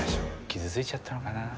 傷ついちゃったのかなあ。